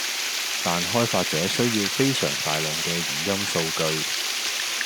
但開發者需要非常大量既語音數據